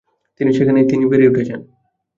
তিনি সেখানেই তিনি বেড়ে উঠেছেন।